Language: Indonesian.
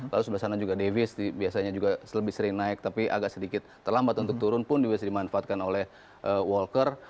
lalu sebelah sana juga davis biasanya juga lebih sering naik tapi agak sedikit terlambat untuk turun pun juga bisa dimanfaatkan oleh walker